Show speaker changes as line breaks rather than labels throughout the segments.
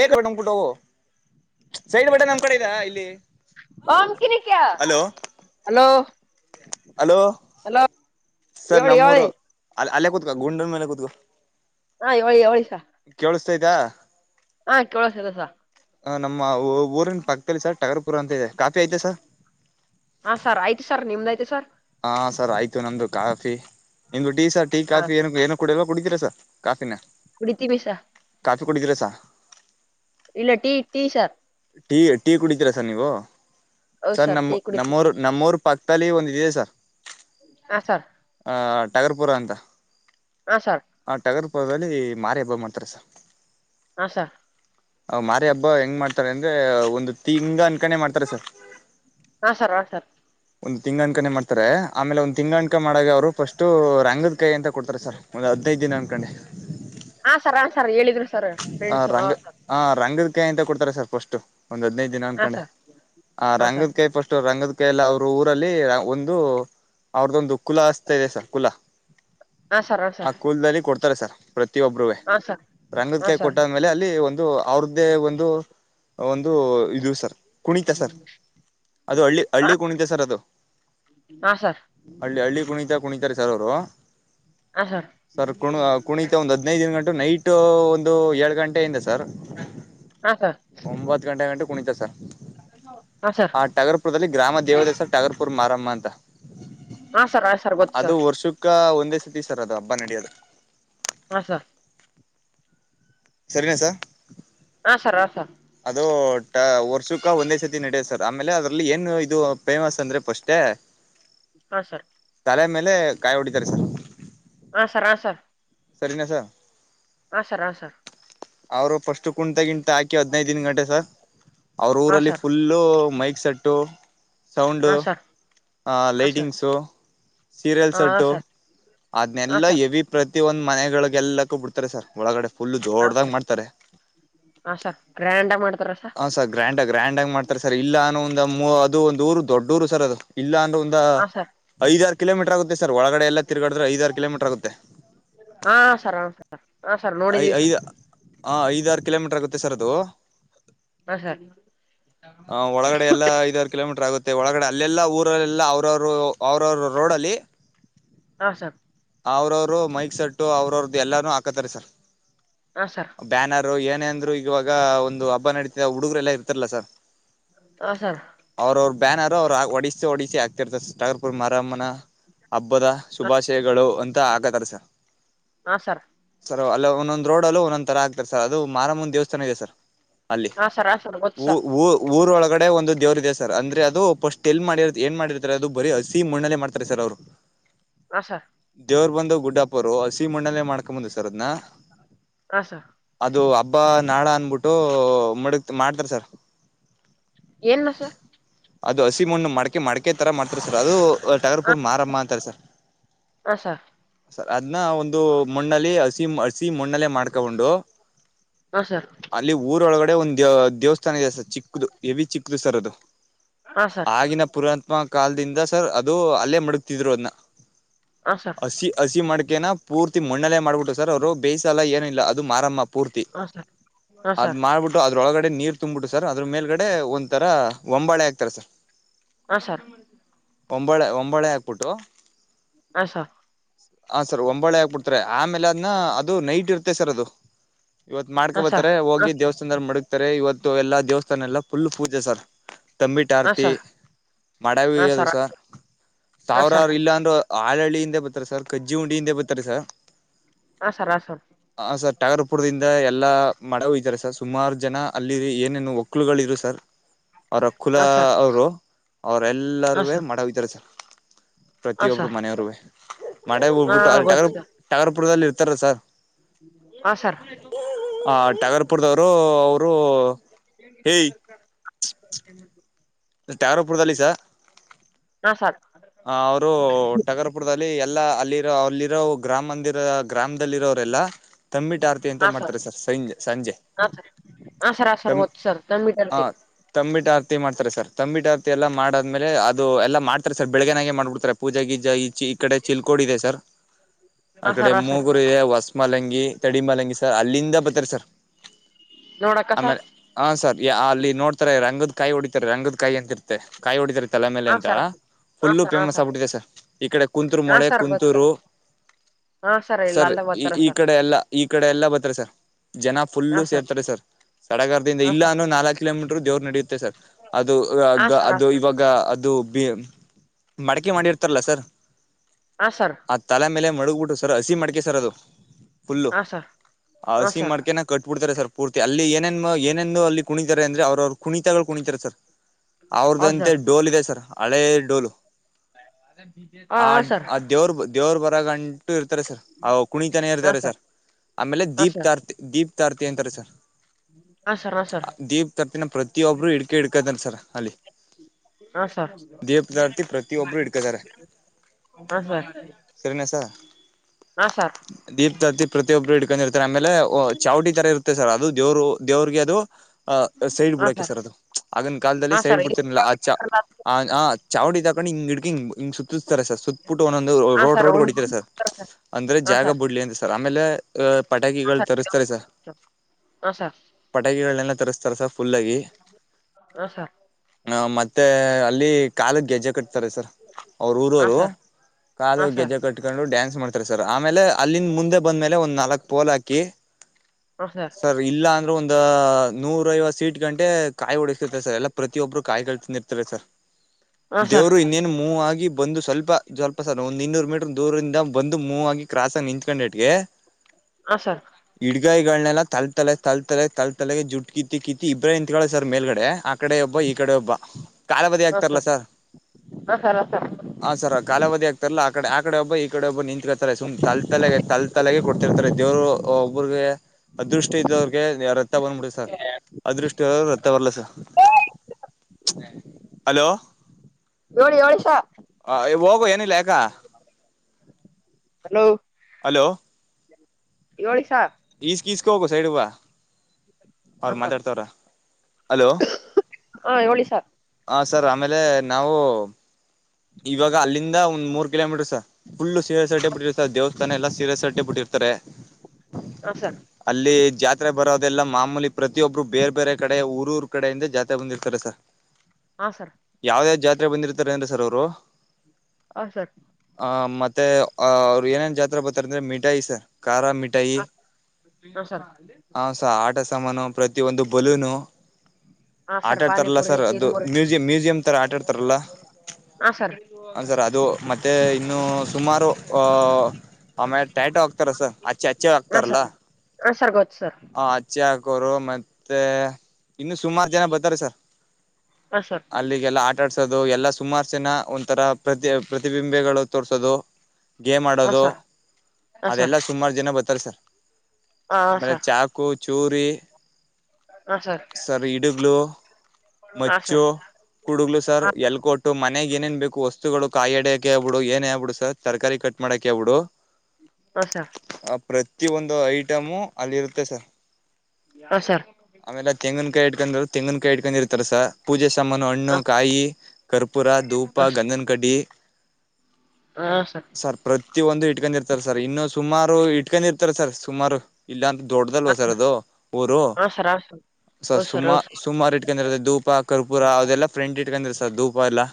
ಏಕ ಬಡಮ್ಕುಟವು ಸೈಡ್ ಬಟ್ಟ ನಮ್ ಕಡೆ ಇದಾ ಇಲ್ಲಿ
ಂಕ ಕ ಹಲೋ
ಅಲೋ
ಹಲೋ
ಸರ್
ಏಳಿ
ನಮ್ಮೂರು
ಏಳಿ
ಅ ಅಲ್ಲ ಕೂತ್ಕ ಗುಂಡೂರ್ ಮೇಲೆ ಕುೂತ್ಕ
ಹಾ ಹೊಳಿಯ ಅವಳಸ
ತೈದಾ
ಹಾ ಕಳಸ ರಸ
ನಮ್ಮ ಊರಿನ ಪಕ್ಕದಲ್ಲಿ ಸರ್ ಟಗರ್ಪುರ ಅಂತ ಇದೆ ಕಾಫಿ ಐ್ತೆ ಸರ್
ಹಾ ಸರ್ ಆಯ್ತು ಸರ್ ನಿಮ್ದೈ್ತಿ ಸರ್
ಹಾ ಸರ್ ಆಯ್ತು ನಮ್ದು ಕಾಫಿ ನಿಮ್ದು ಟೀ ಸರ್ ಟೀ
ಹಾ
ಕಾಫಿ ಏನ ಏನ ಕೊಡಡಿಲ್ಲ ಕುಡಿತೀರಾ ಸರ್ ಕಾಫಿನ
ಪ್ರೀತಿ ಮಸ
ಫ ಕುಡಿದೀ್ರ ಸ
ಇಲ್ಲ tea tea sir
tea tea ಕುಡಿತೀರಾ ಸರ್ ನೀವು
ಹೌದ್
ಸರ್ ನಮ್ಮ
ಟೀ ಕುಡಿತೀವಿ
ನಮ್ಮರು
ಸರ್
ನಮ್ಮೂರು ಪಕ್ಕದಲ್ಲಿ ಒಂದು
ಹಾ ಸರ್
ಆ ಟಗರ್ಪುರ ಅಂತ
ಹಾ ಸರ್
ಹಾಂ ಟಗರ್ಪುರದಲ್ಲಿ ಮಾರಿ ಹಬ್ಬ ಮಾಡ್ತಾರೆ ಸರ್
ಹಾ ಸರ್
ಅ ಮಾರಿ ಹಬ್ಬ ಹೆಂಗ್ ಮಾಡ್ತಾರೆ ಅಂದ್ರೆ ಒಂದು ತಿಂಗನ್ ಮಾಡ್ತಾರೆ ಸರ್
ಹಾ ಸರ್ ಹಾ ಸರ್
ಒಂದು ತಿಂಗಾನ ಕನೆ ಮಾಡ್ ಆಮೇಲೆ ಒಂದು ತಿಂಗಾಣ್ಕ ಮಾಡಾಗ ಅವ್ರು ಫಸ್ಟು ರಂಗದಕಾಯಿ ಅಂತ ಕೊಡ್ತಾರೆ ಸರ್ ಒಂದು್ ಹದ್ನೈದು ದಿನ ಅನ್ಕೊಂಡು
ಹಾ ಸರ್ ಹ ಸರ್ ಹೇಳಿದ್ರು ಸರ್
ಆ
ಫ್ರೆಂಡ್ಸು
ರಂಗ ಆ ರಂಗದ ಕಾಯಿ ಅಂತ ಕೊಡ್ತಾರೆ ಸರ್ ಫಸ್ಟ್ ಒಂದ್ ಹದಿನೈದು ದಿನ
ಹಾ
ಅಂದ್ಕೊಂಡೆ
ಸರ್
ಆ
ಹಾ ಸರ್
ರಂಗದಕಾಯಿ ಫಸ್ಟ್ ರಂಗದ ಎಲ್ಲ ಅವ್ರ ಊರಲ್ಲಿ ಒಂದು ಅವ್ರದೊಂದು ಕುಲ ಅಸ್ತಾ ಇದೆ ಸರ್ ಕುಲ
ಹಾ ಸರ್
ಆ ಕುಲದಲ್ಲಿ ಕೊಡ್ತಾರೆ ಸರ್ ಪ್ರತಿಯೊಬ್್ರೇ
ಹಾ ಸರ್ ಹಾ
ರಂಗದಕಾಯಿ
ಸರ್
ಕೊಟ್ಟಾದ್ಮೇಲೆ ಅಲ್ಲಿ ಒಂದು ಅವ್ರದ್ದೇ ಒಂದು ಒಂದು ಇದು ಸರ್ ಕುಣಿತ ಸರ್ ಅದು ಹಳ್ಳಿ ಹಳ್ಳಿ ಕುೂಣಿದೆೆ ಸರ್ ಅದು
ಹಾ ಸರ್
ಹಳ್ಳಿ ಹಳ್ಳಿ ಕುಣಿತ ಕುಣಿತಾರೆ ಸರ್ ಅವರು ಸರ್ ಕುಣ ಕುಣಿತ ಒಂದು ಹದಿನೈದು ಗಂಟು ನೈಟ್ ಒಂದು ಏಳು ಗಂಟೆಯಿಂದ ಸರ್
ಹಾ ಸರ್
ಒಂಬತ್ತು ಗಂಟೆ ಗಂಟೆ ಕುಣಿತ ಸರ್
ಹಾ ಸರ್
ಆ ಟಗರ್ಪುರದಲ್ಲಿ ಗ್ರಾಮ ದೇವದೇ ಸರ್ ಟಾಗರ್ಪುರ್ ಮಾರಮ್ಮ ಅಂತ
ಹಾ ಸರ್ ಆ ಸರ್ ಗೊತ್ತು ಸರ್
ಈಗ ಒಂದೇ ಸತಿ ಸರ್ ಅದು ಹಬ್ಬ ನಡಿಯೋದು
ಹಸ
ಸರಿನಾ ಸ
ಹಾ ಸರ್ ಹ ಸರ್
ವರ್ಷಕ್ಕ ಒಂದೇ ಸತಿ ನಡಿಯ ಸರ್ ಆಮೇಲೆ ಅದ್ರಲ್ಲಿ ಏನು ಇದು ಫೇಮಸ್ ಅಂದ್ರೆ ಪಫಸ್ೇ
ಹಾ ಸರ್
ತಲೆ ಮೇಲೆ ಕಾಯಿ ಹೊಡಿತಾರೆ ಸರ್
ಹ ಸರ್ ಹ ಸರ್
ಸರಿನಾ ಸರ್
ಹಾ ಸರ್ ಹ ಸರ್
ಅವ್ರು ಪಫಸ್ಟ್ ಕುಂತಗಿಂ ಹಾಕಿ [unintelligible] ಗಂಟೆ ಸರ್ ಅವ್ರ
ಹಾ ಸರ್ ಹಾ
ಊರಲ್ಲಿ
sir
full mic set sound
ಹಾ ಸರ್
ಆ
ಹಾ ಸರ್
ಲೈಟಿಂಗ್ಸು
ಹಾ
ಸೀರಿಯಲ್ಸ್ಟು
ಸರ್ ಹಾ
ಅದನ್ನೆಲ್ಲ
ಸರ್
ಎವಿ ಪ್ರತಿ ಪ್ರತಿಿಯೊಂದ್ ಮನೆಗಳಿಗೆಲ್ಲಕ್ಕೂ ಬಿಡ್ತಾರೆ ಸರ್ ಒಳಗಡೆ ಫುಲ್ಲು
ಹಾ
ದೊಡ್ಡದಾಗಿ
ಸರ್
ಮಾಡ್ತಾರೆ
ಹಾ ಸರ್ ಗ್ರ್ಯಾಂಡ್ ಆಗಿ ಮಾಡ್ತಾರ
ಹ ಸರ್ ಗ್ರ್ಯಾಂಡ್ ಗ್ರ್ಯಾಂಡ್ ಆಗ ಮಾಡ್ತಾರೆ ಸರ್ ಇಲ್ಲ ಅಾನ ಒಂದ ಅದು ಒಂದ್ ಊರು ದೊಡ್ಡೂರು ಸರ್ ಅದು ಇಲ್ಲಾ ಅಂದ್ರೆ ಒಂದ
ಹಾ ಸರ್
ಐದ್ ಆರರು ಕಿಲೋಮೀಟರ್ ಆಗುತ್ತೆ ಸರ್ ಒಳಗಡೆ ಎಲ್ಲ ತಿರುಗಾಿದ್ರೆಐದಾರು ಕಿಲೋಮೀಟರ್ ಆಗುತ್ತೆ
ಹಾ ಸರ್ ಹ ಸರ್ ಹ ಸರ್ ನೋಡಿದೀವಿ ಸರ್
ಹಾ ಐದ ಆಾರು ಕಿಲೋಮೀಟರ್ ಆಗುತ್ತೆ ಸರ್ ಅದು
ಹಾ ಸರ್
ಹ ಒಳಗಡೆ ಎಲ್ಲಾ ಐದಾರು ಕಿಲೋಮೀಟರ್ ಆಗುತ್ತೆ ಮತ್ತ ಒಳಗಡೆ ಅಲ್ಲೆಲ್ಲ ಊರಲ್ಲೆಲ್ಲ ಅವ್ರವರು ಅವರವ್ರ ರೋಡಲ್ಲಿ
ಹಾ ಸರ್
ಅವ್ರವರು ಮೈಕ್ ಸಟ್ಟು ಅವ್ರವ್ದ ಎಲ್ಲಾನೂ ಹಾಕತಾರೆ ಸರ್
ಹ ಸರ್
ಬ್ಯಾನರು ಏನೇ ಅಂದ್ರು ಇವಾಗ ಒಂದು ಹಬ್ಬ ನಡತ ಹುಡುಗರು ಎಲ್ಲಾ ಇರ್ತಾರಲ್ಲ ಸರ್
ಹ ಸರ್
ಅವ್ರ ಅವ್ರ ಬ್ಯಾನರ್ ಅವ ಆ ಒಡಿಿಸಶೆ ಒಡಿಶೆ ಆ ರ್ಥ ಠಾಗರ್ಪುರ್ ಮಾರಮ್ಮನ ಹಬ್ಬದ ಶುಭಾಶಯಗಳು ಅಂತ ಆಕತರೆ ಸರ್
ಹಾ ಸರ್
ಸರ್ ಅಲ್ಲ ಒಂದೊಂದ್ ರೋಡ್ ಅಲ್ಲ ಒಂದೊಂದ್ ತರ ಆಗ್ತಾರೆ ಸರ್ ಅದು ಮಾರಮ್ಮಂದು ದೇವಸ್ಥಾನ ಇದೆ ಸರ್ ಅಲ್ಲಿ
ಹಾ ಸರ್ ಹಾ ಸರ್ ಗೊತ್ತು ಸರ್
ಊರೊಳಗ ಕಡೆ ಒಂದು ದೇವರು ಇದೆ ಸರ್ ಅಂದ್ರೆ ಅದು ಫಸ್ಟ್ ಎಲ್ ಮಾಡಿ ಏನ್ ಮಾಡಿರ್ತಾರೆ ಅದು ಬರೀ ಹಸಿ ಮುಣ್ಣನೇ ಮಾಡ್ತಾರೆ ಸರ್ ಅವ್ರು
ಆಸಾ
ದೇವ್ರು ಬಂದು ಗುಡ್ಡಪ್ಪರು ಹಸಿ ಮಣ್ಣಲ್ಲೇ ಮಾಡ್ಕೊಂಬಂದ್ ಸರ್ ಅದ್ನ
ಹಸ
ಅದು ಹಬ್ಬ ನಾಳ ಅನ್ಬಿಟ್ಟು ಮುಡಗ್ ಮಾಡ್ತಾರ ಸರ್
ಏನ್ ನಾ ಸಾ
ಅದು ಹಸಿ ಮಣ್ಣು ಮಾಡಕ ಮಾಡಕ ತರ ಮಾಡ್ತಾರೆ ಸರ್ ಅದು
ಹ
ಟಾಗರ್ಪುರ್ ಮಾರಮ್ಮ ಅಂತಾರೆ ಸರ್.
ಹಾ ಸರ್
ಸರ್ ಅದನ್ನ ಒಂದು ಮಣ್ಣಲ್ಲಿ ಹಸಿ ಹಸಿ ಮಣ್ಣಲ್ಲೇ ಮಾಡ್ಕಗೊಂಡು.
ಹಾ ಸರ್
ಅಲ್ಲಿ ಊರೊಳಗಡೆ ಒಂದ್ ದೇವ್ ದೇವಸ್ಥಾನ ಇದೆ ಸರ್ ಚಿಕ್ಕದು ಎವಿ ಚಿಕ್ಕದು ಸರ್ ಅದು
ಹಾ ಸರ್
ಆಗಿನ ಪುರಾತ್ಮ ಕಾಲದಿಂದ ಸರ್ ಅದು ಅಲ್ಲೇ ಮಡಗ್ತಿದ್ರು ಅದ್ನ.
ಹ ಸರ್
ಹಸಿ ಮಾಡ್ಕೆನ ಪೂರ್ತಿ ಮಣ್ಣೆ ಮಾಡ್ಬಿಟ್ಟು ಸರ್ ಅವರು ಬೇ್ಸಾಲಲ್ಲ ಏನಿಲ್ಲ ಅದು ಮಾರಮ್ಮ. ಪೂರ್ತಿ
ಹಾ ಸರ್ ಹಾ
ಅದು
ಸರ್
ಮಾಡ್ಬಿಟ್ಟು ಅದ್ರೊಳಗಡೆ. ನೀರ್ ತುಂಬಿಡು ಸರ್ ಅದ್ರ ಮೇಲ್ಗಡೆ ಒಂತರ ಒಂಬಾಳೆ ಆಗ್ತಾರೆ ಸರ್
ಹಾ ಸರ್
ಒಂಬಾಳೆ ಒಂಬಾಳೆ ಹಾಕ್ಬುಟ್ಟು
ಹಾ ಸರ್
ಹ ಸರ್ ಒಂಬಾಳೆ ಆಕ್ಬಿಡ್ತರೆ, ಆಮೇಲೆ ಅದ್ನ ಅದು ನೈಟ್ ಇರ್ ಸರ್ ಅದು, ಇವತ್
ಹಾ ಸರ್
ಮಾಡ್ಕಬತ್ತರೆ ಹೋಗಿ ದೇವಸ್ಥಾನ್ದಲ್ಲಿ ಮಡಗ್ ತ್ತರೆ ಇವತ್ತು ಎಲ್ಲಾ ದೇವಸ್ಥಾನ ಎಲ್ಲಾ ಫುಲ್ ಪೂಜೆ ಸರ್. ತಂಬ್ಬಿಟ್
ಹಾ
ಆರ್ತಿ,
ಸರ್
ಮಾಡವಿ ಅದು ಸರ್
ಹಾ ಸರ್ ಹಾ ಸರ್ ಹಾ
ಸಾವ್ರಾರ್
ಸರ್
ಇಲ್ಲ ಅಂದ್ರು ಆಳಳ್ಳಿಯಿಂದೆ ಬತ್ತರೆ ಸರ್ ಕಜ್ಜಿಉಂಡೆಯಿಂದೆ ಬತ್ತರೆ ಸರ್
ಹಾ ಸರ್ ಹಾ ಸರ್.
ಟಗರ್ಪುರ್ದಿಂದ ಎಲ್ಲಾ ಮಡ ಹೋಯ್ತರ್ ಸರ್ ಸುಮಾರ್ ಜನ ಅಲ್ಲಿ ಏನೇನು ಒಕ್ಲುಗಳಿದು ಸರ್. ಅವ್ರ ಕುಲ ಅವ್ರು, ಅವ್ರ್
ಹಾ
ಎಲ್ಲರುವೆ
ಸರ್
ಮಡ ಓಯ್ತಾರೆ ಸರ್.
ಹಾ
ಪ್ರತಿಯೊಬ್ರು
ಸರ್
ಮನೆಯೋರುವೆ, ಮಡೆಗ್
ಹಾ
ಹೋಗ್ಬಿಟ್ಟು ಅಲ್ಲಿ ಟಗರ್ ಟಗರ್ಪುರ್ದಲ್ಲಿ ಇರ್ತಾರೆ ಸರ್
ಹ ಸ್
ಆಹ್ ಟಗರ್ಪುರ್ದೋರು ಅವ್ರು, ಏ
[inaudible]
ಟಾರಪುರದಲ್ಲಿಸ
ಹಾ ಸರ್
ಆ ಅವರು ಟಗರಪುರದಲ್ಲಿ ಎಲ್ಲಾ ಅಲ್ಲಿರೋ ಅಲ್ಲಿರೋ ಗ್ರಾಮ ಮಂದಿರ ಗ್ರಾಮ. ಲ್ಲಿ ಇರೋರೆಲ್ಲ ತಮ್ಮಿಟ್ಟ ಆರ್ತಿ ಅಂತ ಮಾಡ್ತಾರೆ ಸರ್ ಸಂಜೆ ಸಂಜೆ
ಹಾ ಸರ್ ಹಾ ಸರ್ ಹಾ ಸರ್
ತಮ
ಓತ್ ಸರ್ ನಮ್
ಆ
ಇಟರ್ತಿ
ತಮ್ಮಿಟಾರ್ ಮಾಡ್ತಾರೆ ಸರ್ ತಂಬಿಟ ಆತಿ ಎಲ್ಲ ಮಾಡದ್ಮೇಲೆ ಅದು ಎಲ್ಲ ಮಾಡ್. ಸರ್ ಬೆಳಗ್ನಾಗೆ ಮಾಡ್ಬಿಡ್ತಾರೆ ಪೂಜೆ ಗಿಜ ಈ ಈ ಕಡೆ ಚಿಲ್ಕೋಡ್ ಇದೆ ಸರ್. ಆ
ಹಾ
ಕಡೆ
ಸರ್ ಹಾ ಸರ್
ಮೂಗುರು ಇದೆ ಹೊಸ್ಮಲಂಗಿ ತಡಿಮಲಂಗಿ ಸರ್ ಅಲ್ಲಿಂದ ಬರ್ತಾರ ಸರ್
ನೋಡ ಕಸ
ಯ ಅಲ್ಲಿ ನೋಡ್ತಾರೆ ರಂಗದ್ ಕಾಯಿ ಹೊಡಿತಾರೆ ರಂಗದ್ ಕಾಯಿ ಅಂತಿರ್ತ್ತ ಕಾಯಿ ಹೊಡಿತಾರೆ ತಲೆ ಮೇಲೆ
ಹಾ
ಅಂತ.
ಸರ್ ಹಾ
ಫುಲ್ಲು
ಸರ್ ಹಾ
ಫೇಮಸ್ ಆಗ್ಬಿಟ್ಟಿದೆ ಸರ್ ಈ ಕಡೆ ಕುಂತೂರು
ಹಾ
ಮಳೆ
ಸರ್ ಗೊತ್ ಸರ್
ಕುಂತೂರು.
ಹಾ ಇಲ್ಲ
ಸರ್
ಅಲ್ಲೇ ಓದ್ತಾರ
ಈ
ಸರ್
ಕಡೆ ಎಲ್ಲಾ ಈ ಕಡೆ ಎಲ್ಲಾ ಬತ್ರವೆ ಸರ್ ಜನ ಫುಲ್ಲು ಸೇರ್ತಾರೆ ಸರ್ ಸಡಗರದಿಂದ
ಹಾ
ಇಲ್ಲಾ ಅಂದ್ರು ನಾಲ್ಕು ಕಿಲೋಮೀರ್. ಜವರ್ ನಡೆಯುತ್ತೆ ಸರ್ ಅದು
ಸರ್ ಹಾ
ಅದು
ಸರ್
ಇವಾಗ ಅದು ಮಡಕೆ ಮಾಡಿ ಇರ್ತಾರಲ್ಲ ಸರ್
ಹಾ ಸರ್
ಅಧ್ ತಲೆ ಮೇಲೆ ಮಡ್ಗ್ಬಿಟ್ಟು ಸರ್ ಹಸಿ ಮಡಕೆ ಸರ್ ಅದು ಫು
ಹಾ ಸರ್ ಹಾ
ಹಸಿ
ಸರ್
ಮಡಕೆನ ಕಟ್ಟಬಿಡ್ತಾರೆ ಸರ್. ಪೂರ್ತಿ ಅಲ್ಲಿ ಏನೇನು ಏನೇನು ಅಲ್ಲಿ ಕುಣಿತಾರೆ ಅಂದ್ರೆ ಅವ್ರ ಅವರು ಕುಣಿತಗಳು ಕುಣಿತಾರೆ ಸರ್
ಹಾ
ಅವ್ರದಂತೆ
ಸರ್
ಡೋಲ್ ಇದೆ ಸರ್ ಹಳೆ ಡೋಲು
ಹಾ ಹಾ ಸರ್
ಆ ದೇವರ್ ದೇವರ್ ಬ. ಗಂಟು ಇರ್ತಾರೆ ಸರ್ ಕುಣಿತಾನೆ
ಹಾ
ಇರ್ತಾರೆ ಸರ್ ಆಮೇಲೆ
ಸರ್
ದೀಪ್ದಾತಿ ದೀಪ್. ದ ತರ್ತಿ ಅಂತಾರೆ ಸರ್
ಹಾ ಸರ್ ಹಾ ಸರ್
ದೀಪ್ ತರ್ತಿನ ಪ್ರತಿಯೊಬ್ರು ಹಿಡ್ಕೆ ಹಿಡ್ಕತಾರೆ ಸರ್. ಹಲಿ
ಹ ಸರ್
ಪ್ರತಿಯೊಬ್ಬರು ಹಿಡ್ಕತಾರೆ
ಸರ್
ಸರಿನಾ ಸರ್
ಹಾ ಸರ್
ದೀಪ್ ತಾತಿ ಪ್ರತಿಯೊಬ್ರು ಹಿಡ್ಕೊಂಡರ್ತಾರೆ [inaudible] ಆಮೇಲೆ ಚಾವಟಿ ತರ ಇರುತ್ತೆ ಸರ್ ಅದು ದೇವರು ದೇವ್ರಿಗೆ ಅದು ಸೈಡ್ ಬಿಡೋಕೆ ಸರ್ ಅದು ಆಗಿನ
ಹಾ ಸರ್
ಕಾಲದಲ್ಲಿ
ಹಾ
ಸೈಡ್
ಸರ್
ಬಿಡ್ತಿರಲಿಲ್ಲ ಆ ಚ ಚಾವಡಿದ ಇಂಗ ಇಂಗ ಸುತ್ತ [unintelligible] ಸರ್ ಸುತ್ತತ್ ಬಿಿಟ್ಟು ಒಂದೊಂದು
ಹಾ
ರೋಡ್
ಸರ್
ರೋಡ್
ಒ
ಕುಡಿತಾರೆ ಸರ್ ಅಂದ್ರೆ
ಹಾ
ಜಾಗ
ಸರ್
ಬಿಡ್ಲಿ ಅಂತ ಸರ್ ಆಮೇಲೆ ಅಹ
ಹಾ
ಪಟಾಕಿಗಳು
ಸರ್
ತರಿಸತಾರೆ ಸರ್
ಹಾ ಸರ್
ಪಟಕಿಗಳನೆಲ್ಲ ತರಿಸಸ್ತಾರಸ ಫುಲ್ಲಾಗಿ ಹ ಮತ್ತೆ ಅಲ್ಲಿ ಕಾಲು ಜ್ಜೆ ತಾರೇ ಸರ್ ಅವರು
ಹಾ
ಊರವರು
ಸರ್
ಕಾಲು
ಹಾ ಸರ್ ಹಾ
ಗೆಜ್ಜೆ
ಸರ್
ಕಟ್ಕೊಂಡು ಡ್ಯಾನ್ಸ್ ಮಾಡಾರೆ ಆಮೇಲೆ ಅಲ್ಲಿಂದ ಮುಂದೆ ಬಂದ ಮೇಲೆ ಒಂದ್ ನ ಪೋಲ್ ಹಾಕಿ ಸರ್ ಇಲ್ಲ ಒಂದು ನೂರ ಐವತ್ತು ಸೀಟ್ ಗಂಟೆ ಕಾಯಿ ಉಡಿಸೆ ಸರ್ ಎಲ್ಲಾ ಪ್ರತಿಯೊಬ್ರು ಕಾಯಿ ಕಳ್ತಿರ್ತಾರೆ ಸರ್
ಹಾ ಸರ್
ದೇವರು ಇನ್ನೇನು ಮೂವ ಆಗಿ ಬಂದು ಸ್ವಲ್ಪ ಸ್ವಲ್ಪ ಸ ಒಂದು ಇನ್ನೂರು ಮೀ ದೂರಂದ ಬಂದು ಮೂವ್ ಆಗಿ ಕ್ರಾಸ ಆಗಿ ನಿಂತ್ಕೊಂಡ ಇಟ್ಗೆ
ಹಾ ಸರ್
ಗಳನೆಲ್ಲ ತ ತಲೆ ತ ತಲೆ ತ ತಲೆ ಜುಟ್ ಕಿತ್ತ ಕಿ ಇಬ್ಬ ಇ ಸರ್ ಮೇಲ್ಗಡೆ ಆ ಕಡೆ ಒಬ್ಬ ಈ ಕಡೆ ಕಾಲಾವದಿ ಆತಲ್ಲ ಸರ್
ಹಾ ಸರ್ ಹಾ ಸರ್
ಆ ಸರ್ ಸ ಕಾಲಾವಿ ಆತ ಇಲ್ಲ ಆ ಕಡೆ ಆ ಕಡೆ ಒಬ್ಬ ಈ ಕಡೆ ಒಬ್ಬ ನಿಂತ್ಕತಾರೆ ಸುಮ್ ತಲ ತಲೆಗೆ ತಲ್ ತಲೆಗೆ ಕೊಡ್ತಿರ್ತಾರೆ ದೇವರು ಒಬ್ಬ್ರಿಗೆ [inaudible] ಅದೃಷ್ಟ ಇದ್ದ ಅವ್ರಿಗೆ ರಕ್ತ ಬಂದ್ಬಿಡುತ್ತೆ ಸರ್ ಅದೃಷ್ಟ ಇಲ್ಲರ ದವರಿಗೆ ರಕ್ತ ಬರಲ್ಲ ಸರ್ ಹಲೋ
ಏಳಿ ಏಳಿ ಸ
ಹ ವೋಗೋ ಏನಿಲ್ಲಕ್ಕ
ಹಲೋ
ಹಲೋ
ಏಳಿ ಸಾರ
ಈಸ್ಕ್ ಈಸ್ಕ ಹೋಗುವ ಸೈಡ ಗ ಬ ಅವ್ರ
ಹಾ ಸರ್
ಮಾತಾಡ್ತವ್ರ ಅಲೋ
ಹಾ ಹೇಳಿ
ಹ ಸರ್ ಆಮೇಲೆ ನಾವು ಇವಾಗ ಅಲ್ಲಿಂದ ಒಂದ್ ಮೂರು ಕಿಲೋಮೀಟರ್ ಸ ಫು ಸೇ ಸಟೆ ಬಿಟ್ಟಿರ್ ದೇವಸ್ ಎಲ್ಲ ಸೀರಿಯಸ್ ಅಡ್ಟಿ ಬಿಟ್ಟಿರ್ತಾರೆ
ಸರ್
ಅಲ್ಲಿ ಜಾತ್ರೆ ಬರೋದೆಲ್ಲ ಮಾಮೂಲಿ ಪ್ರತಿಯೊಬ್ಬರು ಬೇರೆ ಬೇರೆ ಕಡೆ ಊರೂರ್ ಕಡೆಯಿಂದ ಜಾತ್ರೆ ಬಂದಿರ್ತಾರೆ ಸರ್
ಹಾ ಸರ್
ಯಾವ್ದ ಯಾವ್ದ ಜಾತ್ರೆ ಬಂದಿರ್ತಾರೆ ಅಂದ್ರ ಸರ್ ಅವರು
ಅ ಸರ
ಹ ಮತ್ತೆ ಅವ್ರು ಏನೇನ್ ಜಾತ್ರೆ ಬರ್ತಾರ ಅಂದ್ರೆ ಮಿಠಾಯಿ ಸರ್ ಖಾರ ಮಿಠಾಯಿ
ಹಾ ಸರ್ ಹಾ ಸರ್
ಹಸ ಆಟ ಸಾಮಾನು ಪ್ರತಿಯೊಂದು ಬಲೂನು
ಹಾ ಸರ್
ಆಟಾ ಆಡ್ತಾರಲ್ಲ
ಪಾನಿಪುರಿ
ಸರ್ ಅದು
ಚೀರ್ಮುರಿ
ಮ್ಯೂಸಿಯಂ ಮ್ಯೂಸಿಯಂ ತರ ಆಟಾಡ್ತಾರಲ್ಲ
ಹಾ ಸರ್
ಹ ಸರ್ ಅದು ಮತ್ತೆ ಇನ್ನು ಸುಮಾರು ಆ ಆಮೇಲೆ ಟೈಟ್ ಆಗ್ತಾರ ಸರ್ ಅಚ್ಚೆ ಅಚ್ಚೆ ಆಗ್ತಾರಲ್ಲಾ
ಹ ಸರ ಗೊತ್ತು ಸರ್
ಆ ಅಚ್ಚೆ ಹಾಕೋರು ಮತ್ತೆ ಇನ್ನು ಸುಮಾರು ಜನ ಬರ್ತಾರೆ ಸರ್
ಹಾ ಸರ್
ಅಲ್ಲಿಗೆಲ್ಲಾ ಆಟ ಆಡ್ಸ ಎಲ್ಲಾ ಸುಮಾರುಸನ ಒಂಥರ ಪ್ರತಿ ಪ್ರತಿಬಿಂಬಿಗಳು ತೋಸೋದು ಗೇಮ್ ಆಡೋದು ಅದೆಲ್ಲ ಸುಮಾರು ಜನ ಬರ್ತಾರೆ ಸರ್
ಹ ಸರ
ಕ್ಕೋಚೂರಿ
ಸರ್
ಸರಿ ಇಡುಗಲು
ಹಾ
ಮಚ್ಚು
ಸರ್
ಕುಡುಗ್ಲು ಸರ್ ಎಲ್ಕೋಟು ಮೈ ಮನ್ಯಗ್ ಏನೇನ್ ಬೇಕ ವಸ್ತಗಳು ಕಾಯಿಡಿಯಕ ಹೇಬಿಡು ಏನ್ ಹೇಳ್ಬಿಡು ಸ ತರಕಾರಿ ಕಟ್ ಮಾಡಕ್ ಹೇಬಿಡು
ಅ ಸರ
ಪ್ರತಿ ಒಂದು ಐಟಮು ಅಲ್ಲಿ ಇರುತ್ತೆ ಸರ್
ಹಾ ಸರ್
ಆಮೇಲೆ ತೆಂಗನ್ಕಾಯಿ ತಂಗಿನ ಕಾಯಿ ಇಕೊಂಡ ಇರ್ತ ಸ ಪೂಜೆ ಚಮ್ಮನ ಹಣ್ಣು
ಹಾ
ಕಾಯಿ ಕರ್ಪೂರ ಧೂಪ
ಸರ್
ಗಂಧನ ಕಡ್ಡಿ
ಹಾ ಸ
ಪ್ರತ್ತ ಒಂದು ಇಟ್ಕಿ ಇರ್ತಾರೆ ಸರ್ ಇನ್ನು ಸುಮಾರು ಇಟ್ಕೊಂಡ್ ಇರ್ತಾರೆ ಸರ್ ಸುಮಾರು ಇಲ್ಲಾಂತ ದೊಡ್ಡ್ದಲ್ವಾ ಸರ್ ಅದು ಊರು
ಹಾ ಸರ್
ಸ
ಹೌದು ಸರ್
ಸುಮಾ
ಹೌದು ಸರ್
ಸುಮಾರು ಇಟ್ಕೊಂಡ್ರ ಅದ ದೂಪ ಕರ್ಪೂರ ಅವದೆಲ್ಲಾ ಫ್ರೆಂಡ್ ಇಟ್ಕೊಂಡ್ರ ಸರ್ ಧೂಪ ಎಲ್ಲಾ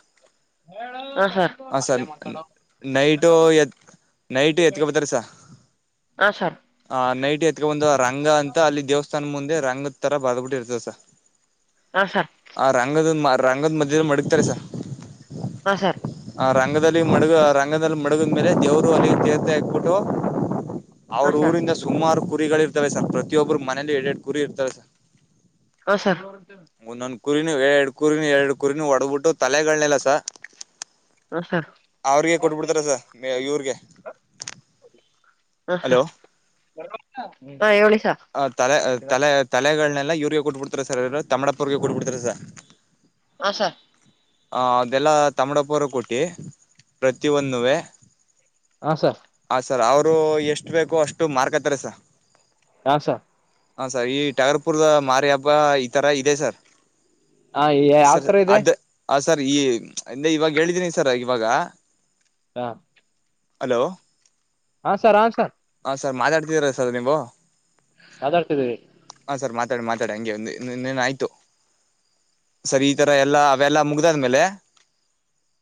ಹಾ ಸರ್
ಹಾ
ನೈಟು ಎ ನೈಟ್ ಎತ್ಕಬತಾರಸ
ಸರ್ ಹಾ ಸರ್
ಆ ನೈಟ್ ಎತ್ಕ ಬಂದು ರಂಗ ಅಂತ ಅಲ್ಲಿ ದೇವಸ್ಥಾನ ಮುಂದೆ ರಂಗ ತರ ಬರ್ಟ್ಟಿರ್ತದೆ ಸ
ಹಾ
ಆ ರಂಗದಂದ ರಂಗದ ಮಧ್ಯ ಮಡಗ್ತಾರೆ ಸರ್
ಸರ್
ಹ ರಂಗ ಮಡಗ ರಂಗದಲ್ಲಿ ಮಡಗದ ಮೇಲೆ ದೇವರು ಅಲ್ಲಿ ತೀರ್ಥ ಹಾಕ್ಬಿಟ್ಟು
ಹಾ
ಅವ್ರ
ಸರ್
ಊರಿಂದ ಸುಮಾರು ಕುರಿಗಳುರ್ತವೆ ಸರ್ ಪ್ರತಿಯೊಬ್ರು ಮನೇೂ ಎರಡ್ ಎರಡು ಕುರಿ ಇರ್ತವೆ ಸರ್
ಹ ಸ
ಕುರಿನ ಎರಡು ಕುರಿನ ಎರಡು ಕುರಿನ ಒಡಬಿಟ್ಟು ತಲೆಗಳನೆೆಲ್ಲ ಸ
ಹಾ ಸರ್
ಅವ್ರಿಗೆ
ಹಾ
ಕೊಟ್ಬಿಡ್ತಾರ ಸರ್ ಇವ್ರಿಗೆ
ಹ ಹಾ
ಹಲೋ
ಬ
ಆ ತಲೆ ತಲೆ ತಲೆಗಳನೆೆಲ್ಲ ಯೂರಿಯಾ ಕೊಟ್ಬ ಸರ್ ತಮಿಡಪುರ್ಗೆ ಕೂಡ್ಬಿಡ್ತರ ಸರ್
ಆಸ
ಹ ಅದೆಲ್ಲ ತಮಡಪುರ ಕೊಟ್ಟಿ ಪ್ರತಿಯ ಒಂದುುವೇ
ಹಾ ಸರ್
ಸರ್ ಅವರು ಎಷ್ಟು ಬೇಕೋ ಅಷ್ಟು ಮಾರ್ಕ್ ಹತ್ತಾರೆ ಸರ್
ಹಸ
ಹಾ ಸರ್ ಈ ಟಾಗರ್ಪುರ್ದ ಮಾರಿ ಹಬ್ಬ ಈ ತರ ಇದೆ ಸರ್
ಹಾ ಯಾವ
ಸರ್
ತರ ಇದೆ
ಅದ ಹ ಸರ್ ಈ ಇವಾಗ ಹೇಳಿದ್ದೀನಿ ಸರ್ ಇವಾಗ
ಹಾ
ಹಲೋ
ಹಾ ಸರ್ ಹ ಸರ್
ಹಾ ಸರ್ ಮಾತಾಡ್ತಿದರ ಸರ್ ನೀವು
ಮಾತಾಡ್ತಿದಿನಿ
ಮಾತಾ ಮಾತಾಡ [unintelligible] ಹಂಗೆ ಒಂದು ಆಯ್ತು ಸರ್ ಈ ತರ ಎಲ್ಲಾ ಅವೆಲ್ಲಾ ಮುಗ್ದಾದ್ಮೇಲೆ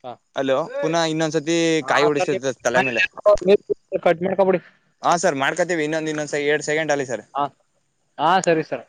ಹಾ
ಅಲೋ ಪುನ ಇನ್ನೊಂದಂದುಸತಿ ಕಾಯ
ಸರ್
ಓಡಿಿಸ ತಲೆಮೇಲೆ
ಕಟ್ ಮಾಡ್ಕೊಬಿಡಿ
ಹಾ ಸರ್ ಮಾಡ್ಕೊತೀವಿ ಇನ್ನೊಂದ ಇನ್ನೊಂದ್ ಎರಡ್ ಸೆಕೆಂಡ್ ಅಲ್ಲಿ ಸರ್
ಹ ಹಾ ಸರಿ ಸರ್